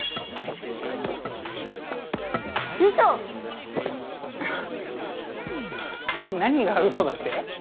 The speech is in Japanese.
うそ⁉何がうそだって？